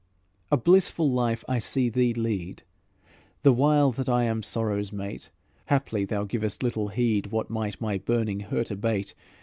"A blissful life I see thee lead, The while that I am sorrow's mate; Haply thou givest little heed What might my burning hurt abate.